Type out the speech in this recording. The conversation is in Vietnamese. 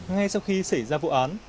ngay sau khi xảy ra vụ án